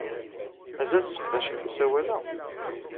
Mazal tesseqdacemt asawal-a?